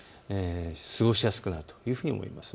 過ごしやすくなるというふうに見られます。